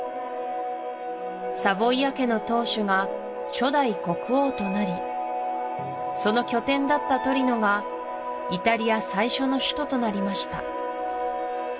サヴォイア家の当主が初代国王となりその拠点だったトリノがイタリア最初の首都となりました